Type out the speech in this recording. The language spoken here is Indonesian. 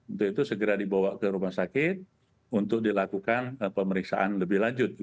untuk itu segera dibawa ke rumah sakit untuk dilakukan pemeriksaan lebih lanjut